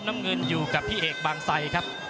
น้ำเงินอยู่กับพี่เอกบางไซครับ